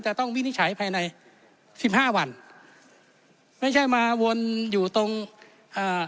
ต้องวินิจฉัยภายในสิบห้าวันไม่ใช่มาวนอยู่ตรงอ่า